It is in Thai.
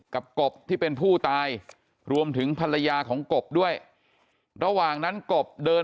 กบที่เป็นผู้ตายรวมถึงภรรยาของกบด้วยระหว่างนั้นกบเดิน